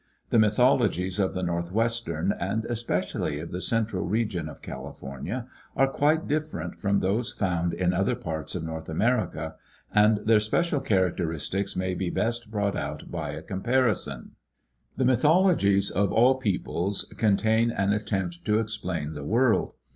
The mythologies of the northwestern and especially of the central region of California are quite 1 different from those found in other parts of North America, and their special characteristics may be best brought out by a comparison. The mythologies of all peoples contain an attempt to explain the world.